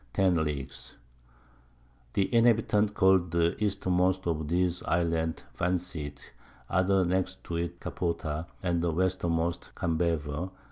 10 Leagues. The Inhabitants call'd the Eastermost of these Islands Vanseat, the other next to it Capota, and the Westermost Cambaver. S.